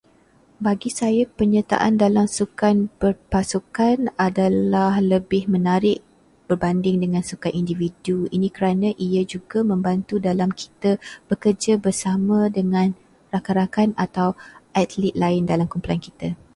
Bagi saya penyertaan dalam sukan berpasukan adalah lebih menarik berbanding dengan sukan individu. Ini kerana ia juga membantu dalam kita bekerja bersama dengan rakan-rakan atau atlet lain dalam kumpulan kita.